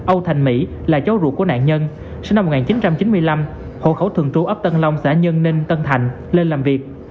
âu thành mỹ là cháu ruột của nạn nhân sinh năm một nghìn chín trăm chín mươi năm hộ khẩu thường trú ấp tân long xã nhân ninh tân thành lên làm việc